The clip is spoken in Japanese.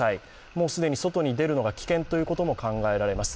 もう既に外に出るのが危険ということも考えられます。